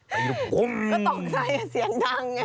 ก็ต้องใจเสียงดังไง